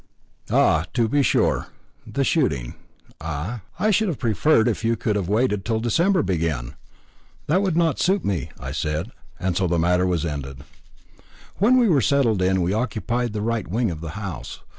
"Ah, to be sure the shooting, ah! I should have preferred if you could have waited till December began." "That would not suit me," I said, and so the matter ended. When we were settled in, we occupied the right wing of the house.